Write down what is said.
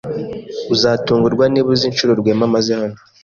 Uzatungurwa niba uzi inshuro Rwema amaze hano.